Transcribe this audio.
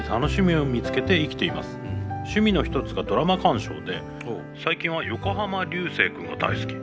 趣味の一つがドラマ鑑賞で最近は横浜流星君が大好き」。